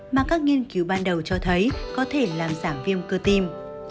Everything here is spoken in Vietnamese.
mà các nghiên cứu ban đầu cho thấy có thể làm giảm viêm cơ tim